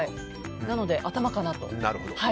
なので、頭かなと。